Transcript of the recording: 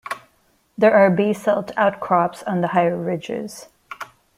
There are basalt outcrops on the higher ridges.